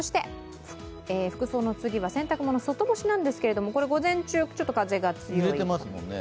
服装の次は洗濯物、外干しなんですけど、午前中、ちょっと風が強い。